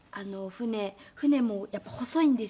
船もやっぱり細いんですよ。